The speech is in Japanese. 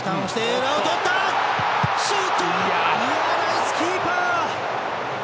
ナイスキーパー。